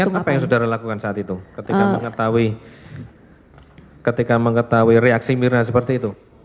saya ingat apa yang saudara lakukan saat itu ketika mengetahui reaksi mirna seperti itu